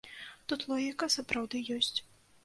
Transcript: Тут логіка сапраўды ёсць.